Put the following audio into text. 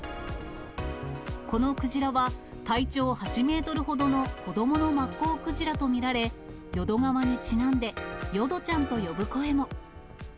このクジラは、体長８メートルほどの子どものマッコウクジラと見られ、淀川にちなんで、よどちゃんと呼ぶ声も。